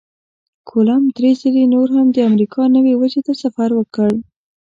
کولمب درې ځلې نور هم د امریکا نوي وچې ته سفر وکړ.